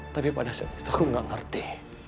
tapi pada saat itu aku nggak ngerti